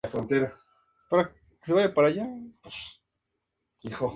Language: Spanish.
Este es uno de los misterios del luthier: la fórmula de su barniz.